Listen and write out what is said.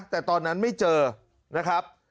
แต่ตอนนั้นไม่เจอนะครับ